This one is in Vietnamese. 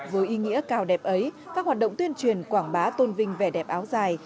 với ý nghĩa cao đẹp ấy các hoạt động tuyên truyền quảng bá tôn vinh vẻ đẹp áo dài